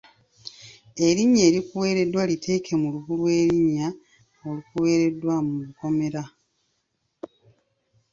Erinnya erikuweereddwa liteeke mu lubu lw’erinnya olukuweereddwa mu bukomera.